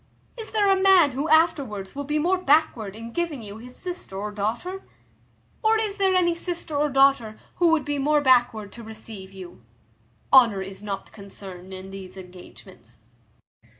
Is there a man who afterwards will be more backward in giving you his sister, or daughter? or is there any sister or daughter who would be more backward to receive you? Honour is not concerned in these engagements."